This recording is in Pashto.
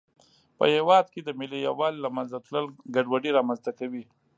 په یوه هېواد کې د ملي یووالي له منځه تلل ګډوډي رامنځته کوي.